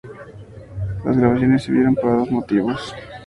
Las grabaciones sirvieron para dos motivos.